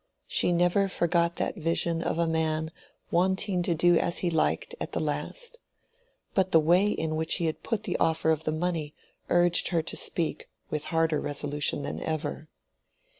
She never forgot that vision of a man wanting to do as he liked at the last. But the way in which he had put the offer of the money urged her to speak with harder resolution than ever.